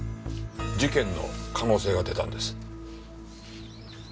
事件の可能性が出たんです。